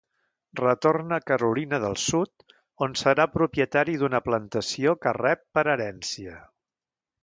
Retorna a Carolina del Sud on serà propietari d'una plantació que rep per herència.